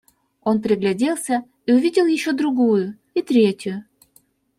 Он пригляделся и увидел еще другую и третью.